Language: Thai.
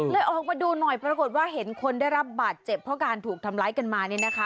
ออกมาดูหน่อยปรากฏว่าเห็นคนได้รับบาดเจ็บเพราะการถูกทำร้ายกันมาเนี่ยนะคะ